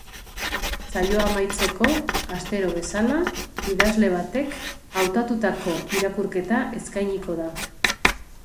Saioa amaitzeko, astero bezala, idazle batek hautatutako irakurketa eskainiko da.